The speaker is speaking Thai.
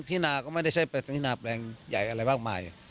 ที่หน้าก็ไม่ได้ใช้เพื่อนที่หน้าแปลงใหญ่อะไรมากมาย